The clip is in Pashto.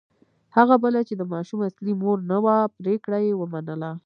هغه بله چې د ماشوم اصلي مور نه وه پرېکړه یې ومنله.